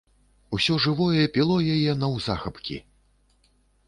Усё жывое піло яе наўзахапкі.